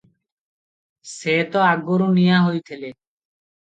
ସେ ତ ଆଗରୁ ନିଆଁ ହୋଇଥିଲେ ।